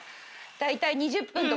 大体２０分とか。